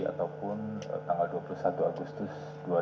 ataupun tanggal dua puluh satu agustus dua ribu dua puluh